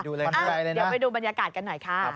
เดี๋ยวไปดูบรรยากาศกันหน่อยค่ะ